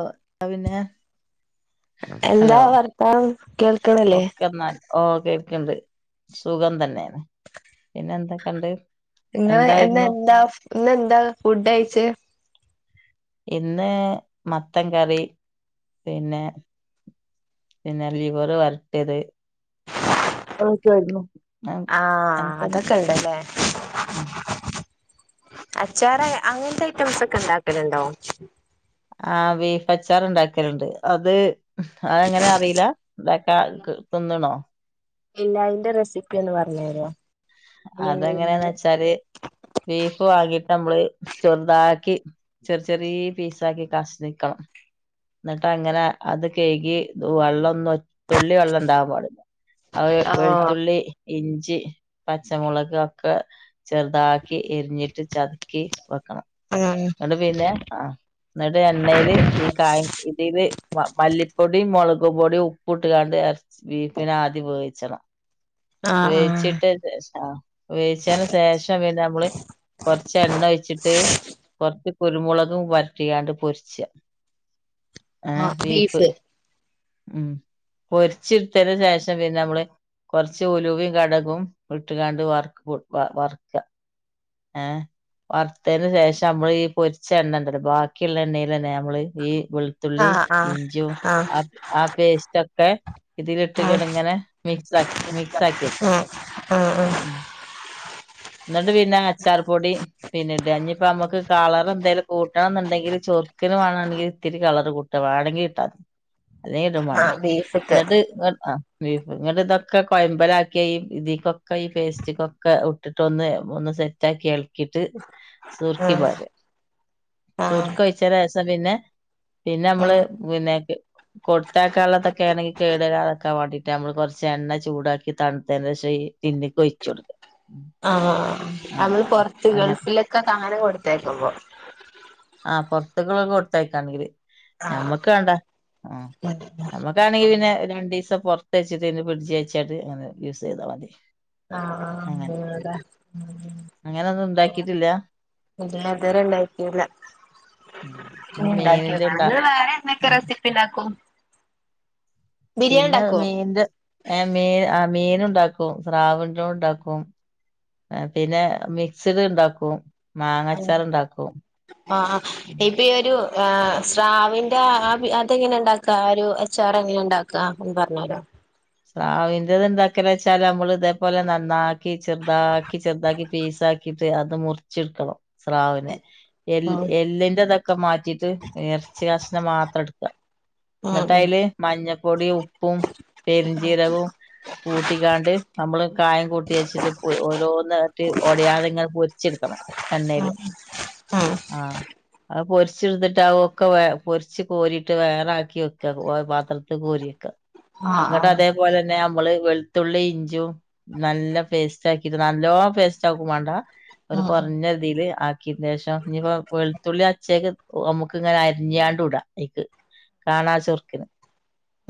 ഓഹ് അപ്പൊ പിന്നെ ഹലോ എന്താ വർത്തനം കേൾക്കണില്ലേ? ഒക്കെ എന്നാൽ ഓ കേൾക്കണ്ട് സുഖം തന്നെയാണ് പിന്നെന്തെക്കെണ്ട് ഇങ്ങള് ഇന്ന് എന്താ ഇന്നെന്താ ഫുഡ് കയിച്ചെ ഇന്ന് മത്തൻ കറി പിന്നെ പിന്നെ ലിവറ് വരട്ടിയത് അതൊക്കെ ആയിരുന്നു ആഹ് അതൊക്കെ ഇണ്ട്ല്ലേ അച്ചാറ് അങ്ങൻത്തെ ഐറ്റംസ് ഒക്കെ ഇണ്ടാക്കലുണ്ടോ ആഹ് ബീഫ് അച്ചാറ്ണ്ടാക്കല്ണ്ട് അത് അതെങ്ങനാ അറിയില്ലാ [unintelligible] തിന്ന്ണോ ഇല്ല അയിന്റെ റെസിപ്പി ഒന്ന് പറഞ്ഞെരോ? അതെങ്ങനെയാന്ന് വെച്ചാല് ബീഫ് വാങ്ങിട്ട് നമ്മള് ചെറുതാക്കി ചെർ ചെറിയ പീസാക്കി കഷ്ണിക്കണം ഇന്നിട്ട് അങ്ങനെ അത് കെഴുകി വെള്ളൊന്നുറ്റ് തുള്ളി വെള്ളം ഇണ്ടാവാൻ പാടൂല്ലാ അത് ആഹ് വെളുത്തുള്ളി ഇഞ്ചി പച്ചമുളക് ഒക്കെ ചെറുതാക്കി എരിഞ്ഞിട്ട് ചതുക്കി വെക്കണം ഉം ഇന്നിട്ട് പിന്നെ ആഹ് ഇന്നിട്ട് എണ്ണയില് ഈ കായി ഇതില് മ മല്ലിപ്പൊടിയും മുളകും പൊടിയും ഉപ്പ് ഇട്ട് കാണ്ട് എറച്ച് ബീഫിനെ ആദ്യം വേവിച്ചണം ആഹ് ആഹ് വേവിച്ചിട്ട് [unintelligible] വേവിച്ചേന് ശേഷം പിന്നെ നമ്മള് കൊറച്ച് എണ്ണ ഒഴിച്ചിട്ട് കൊറച്ച് കുരുമുളകും വരട്ടിങ്ങാണ്ട് പൊരിച്ചാ ഏഹ് ആഹ് വീഫ് ബീഫ് ഉം പൊരിച്ചിടുത്തന് ശേഷം പിന്നെ നമ്മള് കുറച്ച് ഉലുവും കടകും ഇട്ടുകാണ്ട് വക്ക് വറക്കുക ഏഹ് വർത്തന് ശേഷം നമ്മള് ഈ പൊരിച്ച എണ്ണ ഉണ്ടല്ലോ ബാക്കിയുള്ള എണ്ണയിൽ തന്നെ നമ്മള് ഈ തുള്ളിയിം ആഹ് ആഹ് ഇൻജ്യും ആഹ് അഹ് ആ പേസ്റ്റ ഒക്കെ ഇതിലിട്ട ഉം ഇങ്ങനെ മിക്സ് മിക്സ് ആക്കി വക്കാം ആഹ് ആഹ് ന്ന്ട്ട് പിന്നാ അച്ചാറ് പൊടി പിന്നെ ഇടഞ്ഞ ഇപ്പ നമുക്ക് കളർ എന്തായാലും കൂട്ടണം എന്നുണ്ടെങ്കിൽ ചൊർക്കന് വേണമെങ്കിൽ ഇത്തിരി കളർ കൂട്ടണം ട്ട വേണെങ്കിൽ ഇട്ടാതി അല്ല ആഹ് കിട്ടുമാണ്ടെ ബീഫ്ക്ക് എന്നിട്ട് ആഹ് നിങ്ങ ഇതൊക്കെ കൊയമ്പല ആക്കിയ ഈ ഇതിക്കൊക്കെ ഈ പേസ്റ്റക്കൊക്കെ ഇട്ടിട്ടൊന്ന് ഒന്ന് സെറ്റ ആക്കി ഇളക്കിട്ട് ഉം സുർക്കിമാര് ആഹ് സുർക്ക ഒഴിച്ച രസം പിന്നെ പിന്നെ നമ്മള് ഉം പിന്നെ കൊടുത്താക്കുള്ളതൊക്കെ ആണെങ്കിൽ കേടരാതൊക്കാ വേണ്ടീട്ട് നമ്മള് കൊറച്ച് എണ്ണ ചൂടാക്കി തണുത്തേൻ ശേഷ പിന്നെക്ക് ഒയ്ച്ചോട്ക്കാ ആഹ് നമ്മള് അങ്ങനെ പോർത്തുഗൾഫിലൊക്കെ താന കൊടുത്തേക്കുമ്പോ ആഹ് പുറത്തുക്കളൊക്കെ കൊടുത്തയക്കാണെങ്കില് ആഹ് ഞമ്മക്ക് വേണ്ട ഉം ഉം ആമ്മക്ക് അമ്മക്കാണെങ്ക പിന്നെ രണ്ട ദിവസംറത്ത വെച്ചിട്ട്ന്നെ ഫ്രഡ്ജ അയച്ചട്ട് അനെ യൂസ് ചെയ്താൽ മതി ആഹ് അങ്ങനെ ആഹ് അങ്ങനൊന്നും ഉണ്ടാക്കിട്ടില്ല. അതെ ഇല്ലതുവരെ ഉണ്ടാക്കില്ല ഇനി ഇഞ് മീനിന്റെ ഇണ്ടാക്കിയൊക്കണം ഇണ്ടാ ഇങ്ങൾ വേറെന്തൊക്കെ റെസിപ്പി പ്പിണ്ടാക്കും? പിന്നെ മീന്റെ മീൻ മീൻ ഉണ്ടാക്കും ശ്രാവന്റും ഉണ്ടാക്കും പിന്നെ മിക്സഡ് ഇണ്ടാക്കും ആഹ് മാങ്ങച്ചാർ ഉണ്ടാക്കും ആഹ് ഇപ്പഈ ഒരു സ്രാവിന്റെ അതെങ്ങനെ ഉണ്ടാക്ക ഒരു അച്ചാറെങ്ങനെ ഉണ്ടാക്ക ക്കാ ഒന്ന് പറഞ്ഞരാ സ്രാവിന്റത് ഉണ്ടാക്ക വെച്ചാൽ നമ്മൾ ഇതേപോലെ നന്നാക്കി ചെറുതാക്കി ചെറുതാക്കി പീസാക്കി ിട്ട് അത് മുറിച്ചെടുക്കണം സ്രാവിനെ എ ഉം എല്ലിൻറതൊക്കെ മാറ്റിട്ട് ഇറച്ച കഷ്ണം മാത്രം എടുക്ക ഉം എന്നിട്ട് ഉം അയ്ല് മഞ്ഞപ്പൊടിയും ഉപ്പും പെരുഞ്ചീരവും കൂട്ടിക്കാണ്ട് നമ്മള് കായം കൂട്ടി വെച്ചിട്ട് ഓരോ നേട്ട് ഒടയാതെ ഇങ്ങനെ പൊരിച്ചെടുക്കണം എണ്ണേല് ആഹ് ആഹ് അത് പൊരിച്ചെടുത്തിട്ട് അഒക്കെ വ പൊരിച്ച് കോരിട്ട് വേറെ ആക്കി വെക്ക പാത്രത്ത് കോരി വക്ക ആഹ് എന്നട്ട് ആഹ് അതെ അതുപോലെന്നെ നമ്മള് വെളുത്തുള്ളി ഇഞ്ചും നല്ല പേസ്റ്റ് ആക്കിട്ട് നല്ലോ പേസ്റ്റ് ആക്കും വേണ്ട ഒരു ഉം കുറഞ്ഞ രീതിയിൽ ആഹ് ിന്ദേശം ഇനിപ്പോ വെളുത്തുള്ളി അച്ചക്ക് നമ്മുക്ക് ഇങ്ങനെ അരിഞ്ഞാണ്ടൂടാ അയ്ക്ക് കാണാ ചുറുക്കിന്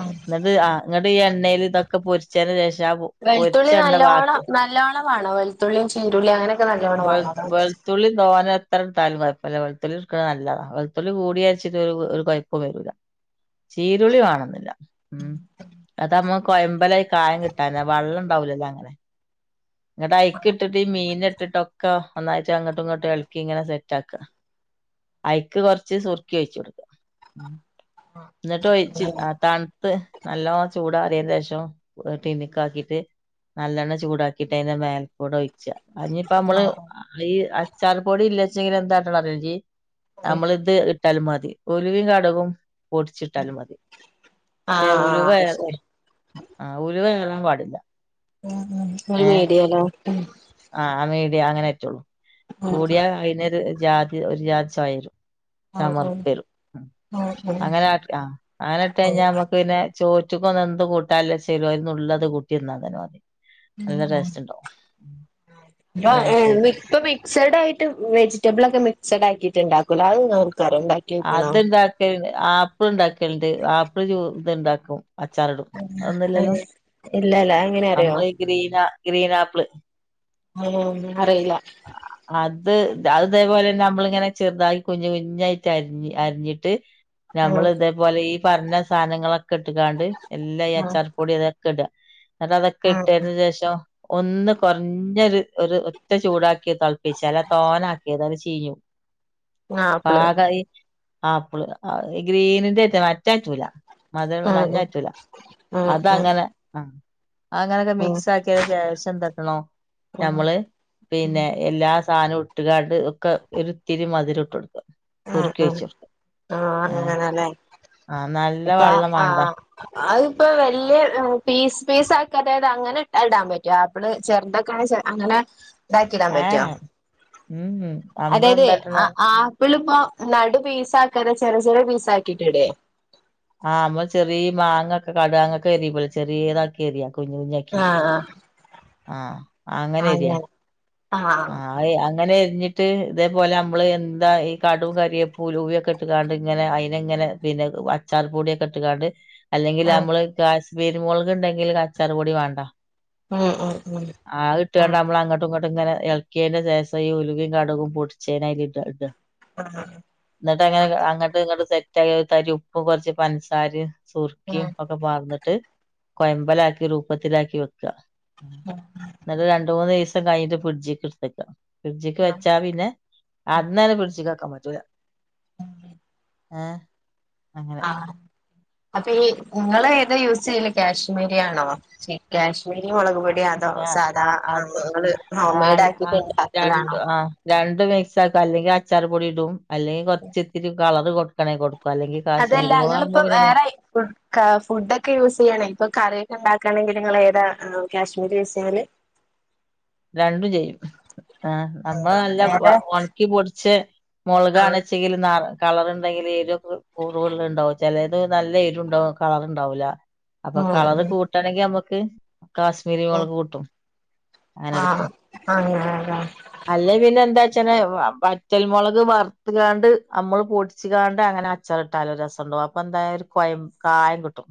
ഉം എന്നിട്ട് ആഹ് ഇങ്ങട്ട് ഈ എണ്ണയിൽ ഇതൊക്കെ പൊരിച്ചന് രേഷ വെളുത്തുള്ളി നല്ലോണം നല്ലോണ്ണംമാണോ വെളുത്തുള്ളിയും ചീരുുള്ളിും അങ്ങനെയൊക്കെ നല്ലോണ്ണം വാണോ അതോ വളത്തുള്ളി തോന്നാ എത്ര എടുത്താലുംഴപ്പമല്ലേ വെളത്തുള്ളിൽക്കണ നല്ലതാ വെളത്തുള്ളി കൂടിരിച്ചിട്ട് ഒരു കുഴപ്പും വരൂല്ല ചീരുളി വേണോന്നില്ല ഉം അതാമ്പോ കൊയമ്പലായി കായം കിട്ടാനെ വെള്ളം ഉണ്ടാവലല്ലോ അങ്ങനെ ഇന്നട്ട് അയ്ക്ക് ഇട്ടിട്ട് ഈ മീൻ ഇട്ടിട്ടൊക്കെ ഒന്നാഴ്ട്ട് അങ്ങട്ടും ഇങ്ങട്ട് ഇളക്കി ഇങ്ങെനെ സെറ്റ് ആക്ക അയ്ക്ക് കൊറച്ച് സുർക്കി ഒഴിച്ചു കൊടുക്ക ഉം എന്നിട്ട് ഒഴിച്ച് ആ തണുത്ത് നല്ലോം ചൂട് അറിയ ശേഷം ടിന്ന്ക്ക് ആക്കിട്ട് നല്ലെണ്ണ ചൂടാക്കിട്ട് അയ്ന്റെ മേലക്കൂടെ ഒഴിച്ച അഞ്ഞി ഇപ്പ നമ്മള് ആഹ് ഈ അച്ചാർപ്പൊടി ഇല്ലാച്ചെങ്കിൽ എന്താട്ടണം അറിയോ ഇജ്ജ് നമ്മള് ഇത് ഇട്ടാലും മതി ഉലുവി കടുകും പൊടിച്ച് ഇട്ടാലും മതി പക്ഷെ ആഹ് ഉലുവ ആഹ് ഏ ശരി ആഹ് ഉലുവ ഏറാൻ പാടില്ല ഉം ഉം ഒരു മീഡിയേലോ ആഹ് മീഡിയ അങ്ങനെ പറ്റുള്ളൂ ഉം കൂടിയാ അതിനൊരു ജാതി ഒരു ജാതി ചൊയ വരും ആഹ് ചമർപ്പ് ആഹ് വരും ഉം ആഹ് ആഹ് അങ്ങനെ ആ അങ്ങനെ ഇട്ട ആഹ് കഴിഞ്ഞാൽ നമ്മുക്ക് പിന്നെ ചോറ്റിക്കൊന്നും എന്ത് കൂട്ടാല്ലേച്ചേലും അത് ഒരു നുള്ള് അത് കൂട്ടിന്ന തന്നെ മതി നല്ല ടേസ്റ്റ്ണ്ടാവും [unintelligible] മിസഡ് ആയ്ട്ട് വെജിറ്റബിള ഒക്കെ മിക്സഡ് ആക്കിട്ട്ണ്ടാക്കല്ലോ അത് ഇങ്ങക്കറിയോ ഇണ്ടാ അത്ണ്ടാക്കൽണ്ട് ആപ്പിൾ ഉണ്ടാക്കലുണ്ട് ആപ്പിൾ ചോ ഇത്ണ്ടാക്കും അച്ചാറിടും അതൊന്നുല്ലല്ലോ ഏഹ് ഇല്ലല്ല എങ്ങനെ അറിയോ നമ്മള് ഗ്രീൻ ഗ്രീൻ ആപ്പിള് ആഹ് അറിയില്ല അത് അത് ഇതേപോലെന്നെ നമ്മളിങ്ങനെ ചെറുതായി കുഞ്ഞ് കുഞ്ഞായിട്ട് അരി അരിഞ്ഞിട്ട് ഞമ്മൾ ആഹ് ഇതേപോലെ ഈ പറഞ്ഞ സാധനങ്ങളൊക്കെ ഇട്ട്ക്കാണ്ട് എല്ലാ ഈ ആഹ് അച്ചാർ പൊടി അത ക്കെട എന്നിട്ട് അതൊക്കെ ആഹ് ഇട്ടതിന് ശേഷം ഒന്ന് കൊറഞ്ഞൊരു ഒരു ഒറ്റ ചൂടാക്കി തിളപ്പിച്ചല്ല തോനാക്കിയത് അത് ചീയും ആപ്പിള് ഈ ആപ്പിള് ഗ്രീനിന്റെ റ്റൊ മറ്റെ അറ്റൂല മധുരള്ള ആഹ് മഞ്ഞറ്റൂല ആഹ് ആഹ് അതങ്ങനെ ആഹ് അങ്ങനെയൊക്കെ ആഹ് മിക്സ് ആക്കിയ ശേഷം എന്താട്ടണം ആഹ് ആഹ് നമ്മള് ഉം പിന്നെ എല്ലാ സാധനവും ഇട്ട് ഇട്ടുകാണ്ട് ഒക്കെ ഒരിത്തിരി മധുരം ഇട്ട് കൊടുക്ക ആഹ് ആഹ് ആഹ് ഏ അങ്ങനെല്ലേ ആ നല്ല ഇപ്പ വെള്ളം വേണ്ട ആഹ് അതിപ്പോ വലിയ പീസ് പീസ് ആക്കാതെ അതായത് അങ്ങനെ ഇടാൻ പറ്റൊ നമ്മള് ചെറുതൊക്കാണെ അങ്ങനെ ഇതാക്കിടാൻ ഏഹ് ഏഹ് ഉം ഉം അതായതെ ആപ്പിളിപ്പോ നടു പീസ് ആക്കാതെ ചെറിയ ചെറിയ പീസ് ആക്കിട്ടിടേ ആഹ് നമ്മള് ചെറിയ മാങ്ങ ഒക്കെ കടു ആങ്ങക്ക് അരിയുമ്പോലെ ചെറിയ ഇതാക്കി അരിയാ കുഞ്ഞാക്കി ആഹ് ആഹ് അങ്ങനെ അരിയാ ആ ആഹ് അങ്ങനെരിഞ്ഞ ഞ്ഞിട്ട് ഇതേപോലെ നമ്മള് എന്താ ഈ കടും കരേപ്പും ഉലുവേം ഒക്കെ ഇട്ട്ങ്ങാണ്ട് ഇങ്ങനെ അയ്നെ ഇങ്ങനെ പിന്നെ ച്ചാർ പൊടിയൊക്കെ ഇട്ടുകാണ്ട് അല്ലെങ്കിൽ ആഹ് നമ്മള് കാശ്മീരി മുളക് ഉണ്ടെങ്കിൽ കച്ചാറ് പൊടി വേണ്ട ഉം ഉം ഉം ആഹ് ഇട്ടുകാണ്ടമ്മള് അങ്ങട്ട് അങ്ങട്ടും ഇങ്ങട്ടും ഇങ്ങനെ ഇളക്കിയന്റെ ശേഷം ഈ ഉലുവേം കടുകും പൊടിച്ചേനെ അയിലിടാ ഇടാ ആഹ് എന്നിട്ട് അങ്ങനെ അങ്ങട്ട് ഇങ്ങട്ട് സെറ്റ് ആയി ഒരു തരി ഉപ്പും കുറച്ച് പഞ്ചസാര സുർക്കയും ഉം ഒ ക്കെ പാർന്നിട്ട് കൊയമ്പലാക്കി രൂപത്തിലാക്കി വെക്കാ ഉ എന്നിട്ട് രണ്ട മൂന്ന് ദിവസം കഴിഞ്ഞിട്ട് ഫ്രിഡ്ജിക്ക് എടുത്തേക്ക ഫ്രിഡ്ജിക്ക് ആഹ് വെച്ചാ പിന്നെ അന്നന്നെ ഫ്രിഡ്ജിക്ക് വെക്കാൻ പറ്റൂല ഏ അങ്ങനെ ആ അപ്പ ഈ ഇങ്ങള് ഏതാ യൂസ് ചെയ്യല് കാശ്മീരിയാണോ? [unintelligible] കാശ് മീരി മുളക് പൊടി അതോ ഞാ സാധാ ആഹ് അത് ഇങ്ങള് ഹോം മെയ്ഡ് ആക്കിയിട്ടുണ്ട് [unintelligible] രണ്ട് മിക്സ് ആക്കും അല്ലെങ്കിൽ അച്ചാർ പൊടി ഇടും അല്ലെങ്കിൽ കൊർച്ച് ഇത്തിരി കളറ് കൊടുക്കണെ കൊടുക്ക അല്ലെങ്കിൽ അതല്ല കാശ്മീരി മൊളകാവുമ്പോ ഇങ്ങള്പ്പം പിന്നെ മൊ വേറെ ഫു ക്ക ഫുഡ് ഒക്കെ യൂസ് ചെയ്യാണേ ഇപ്പൊ കറിയൊക്കെ ഇണ്ടാക്കാണെങ്കിൽ ഇങ്ങൾ ഏതാ കാശ്മീര് യൂസ് ചെയ്യല്? രണ്ടും ചെയ്യും ആ നമ്മൾ നല്ല വ ഏതാ ഒണക്കി പൊടിച്ച് ആഹ് മൊളകാണേ [unintelligible] ഇണ്ടെങ്കിൽ എരുക്കെ കൂടുടു ഇണ്ടാവു ചെലേത് നല്ല എരുണ്ടാവും കളർ ഇണ്ടാവുല. അപ്പൊ കളര് കൂട്ടാണെങ്കി നമ്മുക്ക് കാശ്മീരി മുളക് കൂട്ടും. ആ അങ്ങനെല്ലേ. അല്ലേ പിന്നെ എന്താച്ചനെ വ വറ്റൽമുളക് വറുത്ത് കാണ്ട് അമ്മള് പൊടിച്ച് കാണ്ട് അങ്ങനെ അച്ചാറ് ഇട്ടാലും രസം ഇണ്ടാകും അപ്പ എന്തായാലും കൊഴം കായം കിട്ടും.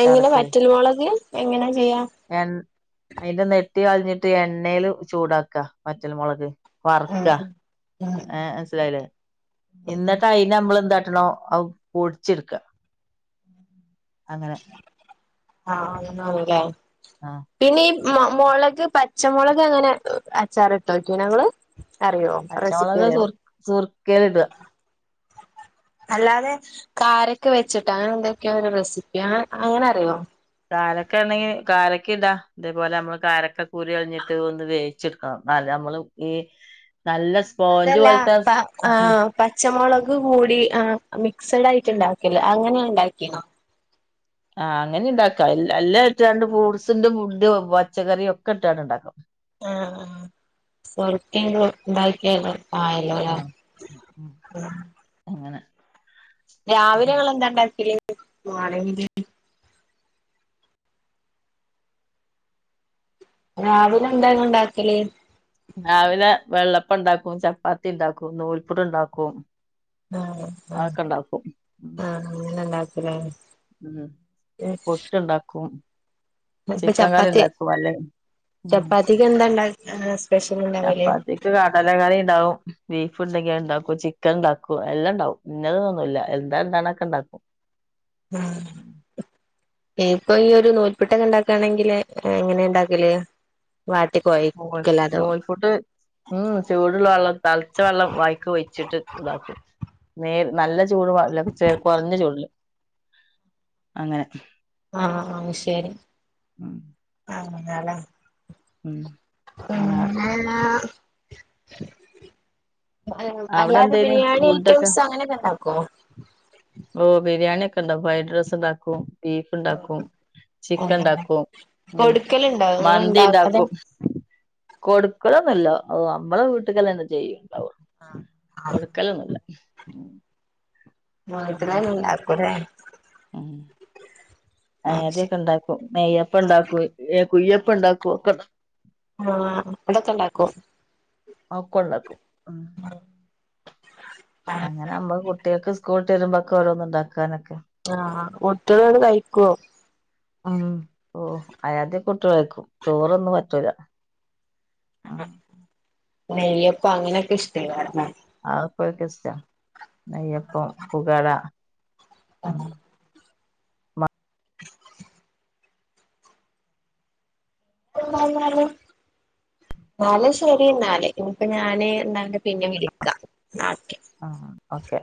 എങ്ങനെ വറ്റൽ മുളക് എങ്ങനെ ചെയ്യാ? എൻ അതിന്റെ നെട്ടി കൾഞ്ഞിട്ട് എണ്ണേല് ചൂടാക്ക വറ്റൽ മുളക്. ഉം വർക്ക ഉം ഉം ഏ മൻസിലായില്ലേ ഇന്നട്ട് അയി ല നമ്മൾ എന്താട്ടണോ അഹ് പൊടിച്ചെടുക്ക. അങ്ങ ആ [unintelligible] ആഹ് പിന്നെ ഈ മൊ മുളക് പച്ചമുളക് അങ്ങനെ അച്ചാർ ഇട്ടോക്കിണോ ഇങ്ങള്? അറിയോ റെസിപ്പി പച്ചമുളക് അറിയോ സുർ സുർക്കേൽ ഇട. അല്ലാതെ കാരക്കെ വെച്ചിട്ട് അങ്ങനെ എന്തൊക്കെയാ ഒരു റെസിപ്പി അങ്ങനെ അങ്ങനെ അറിയോ? കാരക്കെ ഇണ്ടെങ്കി കാരക്കി ഇടാ. ഇതേ പോലെ നമ്മള് കാരക്കക്കുരു കള്ഞ്ഞിട്ട് ഒന്ന് വേവിച്ചെടുക്കണം [unintelligible] നമ്മള് ഈ നല്ല സ് അതല്ല പാ ആ പച്ചമുളക് കൂടി ആ മിക്സ്ഡ് ആയിട്ട് ഇണ്ടാക്കല്ല അങ്ങനെയ ഇണ്ടാക്കിണോ? ആ അങ്ങനിം ഇണ്ടാക്കാ എല്ല എല്ലാം ഇട്ട്കാണ്ട് ഫ്രൂഡ്സിന്റെ ഫുഡ് പച്ചക്കറിയും ഒക്കെ ഇട്ട്കാണ്ട് ഇണ്ടാക്കാം. ആ ആ സുർക്കി കു ഇണ്ടാക്കിയല്ലോ. ആല്ലോല്ല ആ ഉം അങ്ങനെ രാവിലെ ഇങ്ങള് എന്താണ്ടാക്കല്? [unintelligible] രാവിലെ എന്താ ഇങ്ങള് ഇണ്ടാക്കല്? രാവിലെ വെള്ളപ്പം ഇണ്ടാക്കും ചപ്പാത്തി ഇണ്ടാക്കും നൂൽപ്പുട്ട് ഇണ്ടാക്കും. അഹക്കണ്ടാക്കും ഉം [unintelligible] ഇണ്ടാക്കല് ഉം പുട്ട് ഇണ്ടാക്കും ഇപ്പ ചപ്പാത്തി ഉം ചപ്പാത്തിക്ക് എന്താണ്ടാക്കാസ്? ചപ്പാത്തിക്ക് കടലക്കറി ഇണ്ടാവും ബീഫ് ഇണ്ടെങ്കി അഹ് ഇണ്ടാക്കും ചിക്കൻ ഇണ്ടാക്കും എല്ലാം ഇണ്ടാവും. ഇന്നതൊന്നുല്ല എന്താ ഇണ്ടാവ്ണൊക്കെ ഇണ്ടാക്കും. ആഹ് ഇപ്പ ഈ ഒരു നൂൽപുട്ടൊക്കെ ഇണ്ടാക്കാണെങ്കില് എങ്ങനെ ഇണ്ടാക്കല്? വാട്ടി നൂൽ കൊഴിക്കല്ലാതോ നൂൽപുട്ട് ഉം ചൂടുള്ള വള്ളം തൾച്ച വള്ളം വായിക്കി ഒഴിച്ചിട്ട് ഇതാക്കും നേര് നല്ല ചൂട്ല്ല [unintelligible] അങ്ങനെ ആഹ് ആഹ് ആഹ് ശരി ഉം [unintelligible] ഉം അങ്ങനാക്കും ആഹ് [unintelligible] അവിടെ അല്ലാതെ എന്തേന് ബിരിയാണി ഐറ്റംസ് അങ്ങനെക്കെണ്ടാക്കോ? ഓഹ് ബിരിയാണ്യൊക്കെ ഇണ് ഫ്രൈഡ് റൈസ് ണ്ടാക്കും ബീഫ്ണ്ടാക്കും ചിക്കൻ ഇല്ലല്ല ഉണ്ടാക്കും ഉം കൊടുക്കലുണ്ടോ ഇങ്ങള് മന്തി ഇണ്ടാ അതോ ഇണ്ടാക്കും കൊടുക്കലൊന്നുല്ല അവ് നമ്മളെ വീട്ടുകല്ലാം എന്താ ചെയ്യും ഔ കൊടുക്കലുന്നുല്ല അങ്ങനൊക്കെ [unintelligible] കാട്ടും ണ്ടാക്കൂലേ ഏത് തൊണ്ടാക്കും നെയ്യപ്പണ്ടാക്കും കുയ്യപ്പണ്ടാക്കും ഒക്കെ ആഹ് അതൊക്കെണ്ടാക്കോ ആഒക്കെണ്ടാക്കു അങ്ങനാവുമ്പോ കുട്ട്യേക്ക് സ്കൂള്ട്ട് വെരുമ്പക്കെ ഓരോന്ന് ഇണ്ടാക്കാനൊക്കെ ആഹ് ആഹ് കുട്ട്യാളന്ന്ട്ട് കഴിക്കോ? ഉം ഓഹ് അയാദ്യക്കെ ട്ട്യള് കയ്ക്കും ചോറൊന്നും പറ്റൂല. ആ നെയ്യപ്പാ അങ്ങനെക്കെ ഇഷ്ടെക്കാരംലെ? അവൊക്കോൽക്ക് ഇഷ്ടാ. നെയ്യപ്പം, പുകട ഉം പിന്നല്ലാതെ ഇന്നാല് ശരിന്നാല്. ഇനിപ്പോ ഞാന് ഇന്നാണ്ടെ പിന്നിം വിളിക്കാ. ഇന്നാ ഓകെ ആഹ് ഓക്കെ.